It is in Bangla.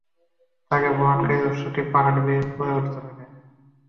তাঁকে বহনকারী অশ্বটি পাহাড় বেয়ে উপরে উঠতে থাকে।